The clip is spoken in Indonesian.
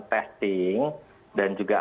testing dan juga